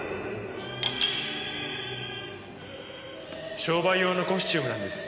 商売用のコスチュームなんです。